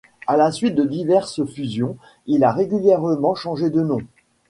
À la suite de diverses fusions, il a régulièrement changé de nom.